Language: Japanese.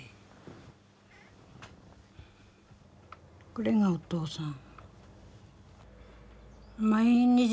これがお父さん。